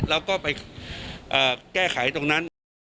แล้วก็ไปแก้ไขตรงนั้น